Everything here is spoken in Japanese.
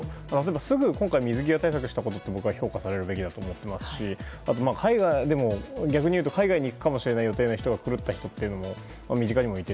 すぐ水際対策したことは僕は評価されるべきだと思ってますしでも、逆に言うと海外に行くかもしれない人の予定が狂った人も身近にもいて。